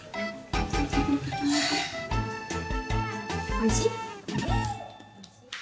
おいしい？